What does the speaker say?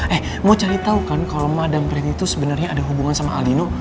eh mau cari tau kan kalau ma dan priti itu sebenarnya ada hubungan sama aldino